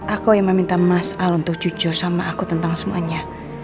aku yang meminta mas al untuk jujur sama aku tentang semuanya